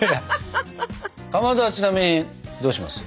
かまどはちなみにどうします？